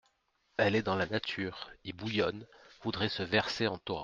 Elle est dans la Nature, y bouillonne, voudrait se verser en torrents.